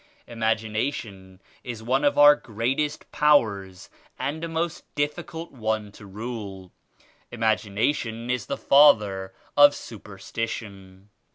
Imagination is one of our greatest powers and a most difficult one to rule. Imagination is the father of superstition.